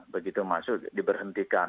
begitu masuk diberhentikan